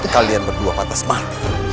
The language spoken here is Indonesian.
kalian berdua pantas mati